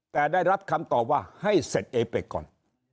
แต่ได้รับคำตอบว่าให้เสร็จเอเป็กก่อน